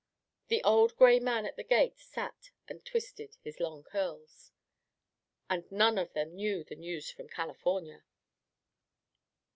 The old gray man at the gate sat and twisted his long curls. And none of them knew the news from California.